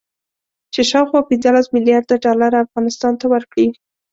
چې شاوخوا پنځلس مليارده ډالر افغانستان ته ورکړي